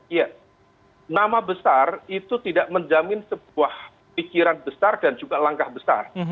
iya nama besar itu tidak menjamin sebuah pikiran besar dan juga langkah besar